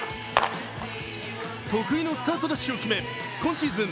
得意のスタートダッシュを決め今シーズン